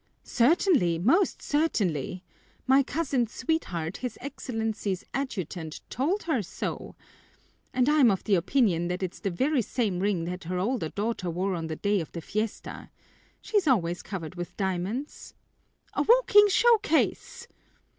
"Certainly! Most certainly! My cousin's sweetheart, his Excellency's adjutant, told her so. And I'm of the opinion that it's the very same ring that the older daughter wore on the day of the fiesta. She's always covered with diamonds." "A walking show case!"